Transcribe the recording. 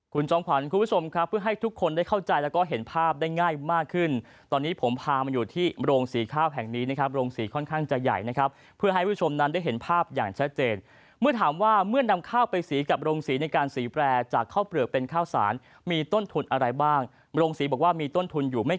คุณจอมขวัญคุณผู้ชมครับเพื่อให้ทุกคนได้เข้าใจแล้วก็เห็นภาพได้ง่ายมากขึ้นตอนนี้ผมพามาอยู่ที่โรงสีข้าวแห่งนี้นะครับโรงสีค่อนข้างจะใหญ่นะครับเพื่อให้ผู้ชมนั้นได้เห็นภาพอย่างชัดเจนเมื่อถามว่าเมื่อนำข้าวไปสีกับโรงสีในการสีแปรจากข้าวเปลือกเป็นข้าวสารมีต้นทุนอะไรบ้างโรงสีบอกว่ามีต้นทุนอยู่ไม่